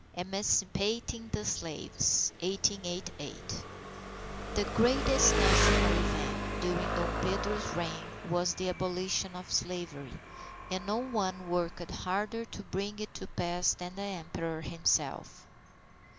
III Emancipating the Slaves 1888 The greatest national event during Dom Pedro's reign was the Abolition of Slavery, and no one worked harder to bring it to pass than the Emperor himself.